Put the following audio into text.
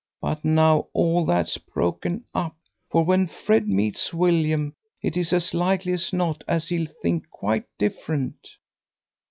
But now all that's broke up, for when Fred meets William it is as likely as not as he'll think quite different."